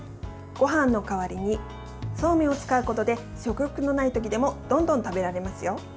ごはんの代わりにそうめんを使うことで食欲のない時でもどんどん食べられますよ。